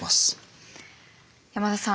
山田さん。